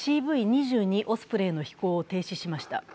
オスプレイの飛行を停止しました。